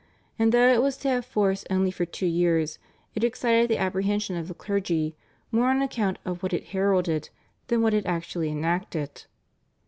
and though it was to have force only for two years it excited the apprehension of the clergy more on account of what it heralded than of what it actually enacted.